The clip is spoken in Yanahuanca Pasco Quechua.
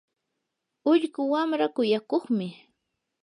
ullqu wamraa kuyakuqmi.